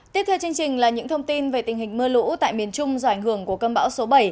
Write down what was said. tiếp theo chương trình là những thông tin về tình hình mưa lũ tại miền trung do ảnh hưởng của cơn bão số bảy